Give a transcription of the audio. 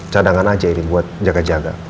cadangan aja ini buat jaga jaga